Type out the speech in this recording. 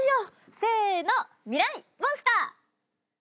せーのミライ☆モンスター。